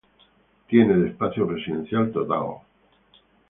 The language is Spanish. Tiene de espacio residencial total.